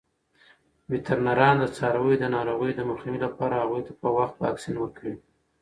وترنران د څارویو د ناروغیو د مخنیوي لپاره هغوی ته په وخت واکسین ورکوي.